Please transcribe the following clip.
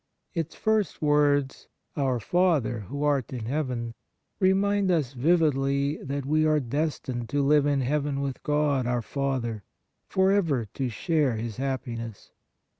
Its first words, " Our Father, who art in heaven," remind us vividly that we are des tined to live in heaven with God, our Father, for ever to share His happiness.